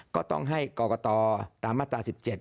ก็ต้องให้กรกตตามมาตรา๑๗